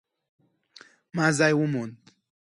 ما ځای وموند